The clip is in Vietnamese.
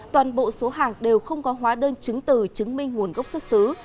toàn bộ số hàng đều không có hóa đơn chứng từ chứng minh nguồn gốc xuất xứ